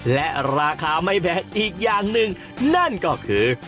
และราคาไม่แพงอีกอย่างหนึ่งนั่นก็คือ